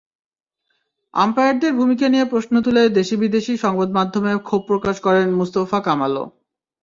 আম্পায়ারদের ভূমিকা নিয়ে প্রশ্ন তুলে দেশি-বিদেশি সংবাদমাধ্যমে ক্ষোভ প্রকাশ করেন মুস্তফা কামালও।